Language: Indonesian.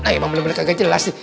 nah emang bener bener kagak jelas sih